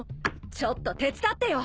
ちょっと手伝ってよ。